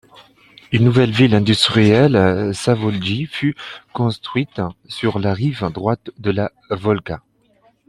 Une nouvelle ville industrielle, Zavoljie, fut construite sur la rive droite de la Volga.